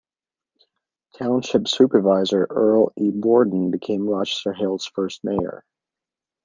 Township Supervisor Earl E. Borden became Rochester Hills' first mayor.